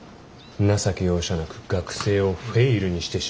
情け容赦なく学生をフェイルにしてしまうそうだ。